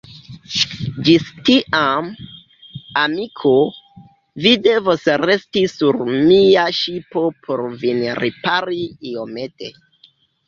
Ĝis tiam, amiko, vi devos resti sur mia ŝipo por vin ripari iomete.